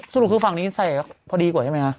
สรุปคือฝั่งนี้ใส่พอดีกว่าใช่ไหมคะ